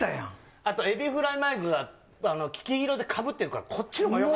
あとエビフライマイクが黄色でかぶってるからこっちのほうがよかった。